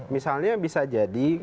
misalnya bisa jadi